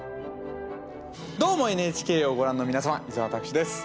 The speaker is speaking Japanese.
「どーも、ＮＨＫ」をご覧の皆様、伊沢拓司です。